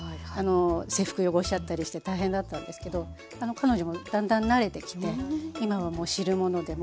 制服汚しちゃったりして大変だったんですけど彼女もだんだん慣れてきて今はもう汁物でも。